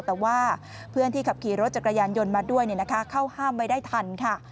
แต่ว่าเพื่อนที่ขับขี่รถจักรยานยนต์มาด้วยเข้าห้ามไว้ได้ทันค่ะ